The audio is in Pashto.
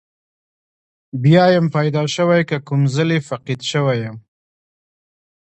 بیا یم پیدا شوی که کوم ځلې فقید شوی یم.